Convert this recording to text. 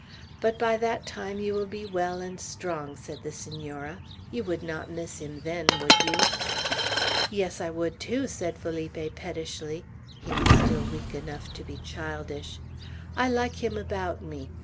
But by that time you will be well and strong," said the Senora; "you would not miss him then, would you?" "Yes, I would, too!" said Felipe, pettishly. He was still weak enough to be childish. "I like him about me.